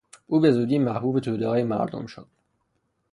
او به زودی محبوب تودههای مردم شد.